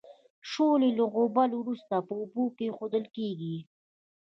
شولې له غوبل وروسته په اوبو کې اېښودل کیږي.